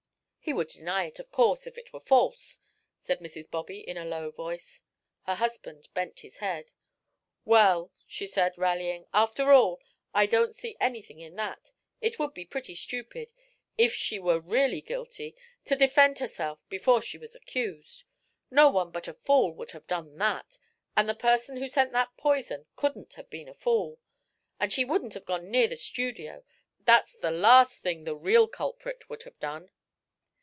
"He would deny it, of course, if it were false," said Mrs. Bobby, in a low voice. Her husband bent his head. "Well," she said, rallying, "after all, I don't see anything in that. It would be pretty stupid, if she were really guilty, to defend herself before she was accused. No one but a fool would have done that, and the person who sent that poison couldn't have been a fool. And she wouldn't have gone near the studio; that's the last thing the real culprit would have done."